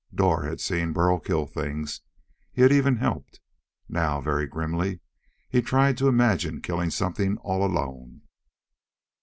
Dor had seen Burl kill things. He had even helped. Now, very grimly, he tried to imagine killing something all alone.